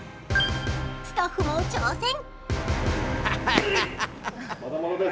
スタッフも挑戦。